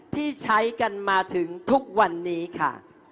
ที่ใช้กันมาถึงทุกวันนี้ค่ะ